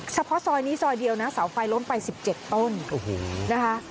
เฉพาะซอยนี้ซอยเดียวสาวไฟล้มไป๑๗ต้นนะคะ